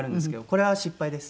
これは失敗なの？